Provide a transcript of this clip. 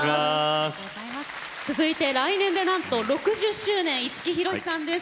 続いて来年でなんと６０周年五木ひろしさんです。